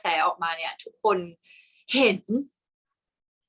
กากตัวทำอะไรบ้างอยู่ตรงนี้คนเดียว